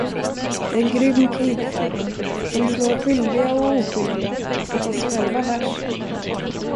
Det är en grym krigföring som slår skyldiga och oskyldiga och oss själva värst.